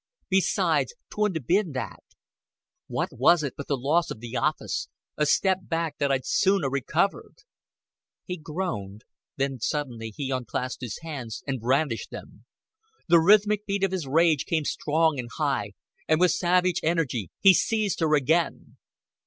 Besides, t'wouldn't 'a' bin that. What was it but the loss of the office a step back that I'd soon 'a' recovered." He groaned; then suddenly he unclasped his hands and brandished them. The rhythmic beat of his rage came strong and high, and with savage energy he seized her again.